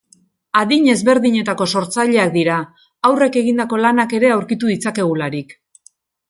Adin ezberdinetako sortzaileak dira, haurrek egindako lanak ere aurkitu ditzakegularik.